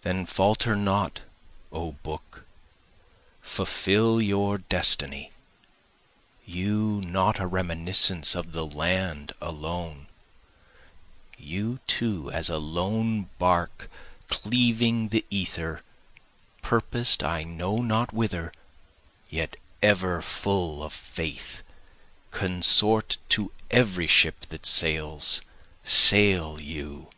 Then falter not O book, fulfil your destiny, You not a reminiscence of the land alone, You too as a lone bark cleaving the ether, purpos'd I know not whither, yet ever full of faith, Consort to every ship that sails, sail you!